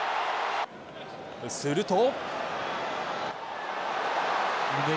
すると。